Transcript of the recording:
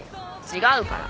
違うから。